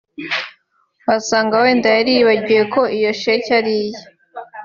wasanga wenda yari yibagiwe ko iyo sheki ari iye